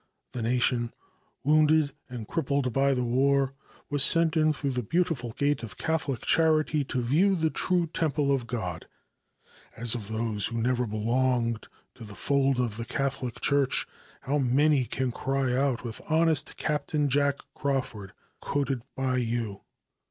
The nation, wounded and crippled by the war, was sent in through the beautiful gate of Catholic charity to view the true temple of God. And of those who never belonged to the fold of the Catholic Church how many can cry out with honest Captain Jack Crawford, quoted by you.